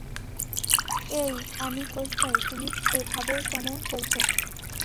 এই আমি থাকা অবস্থায় তুমি এভাবে কেন বলছো?